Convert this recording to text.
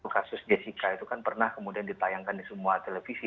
kasus jessica itu kan pernah kemudian ditayangkan di semua televisi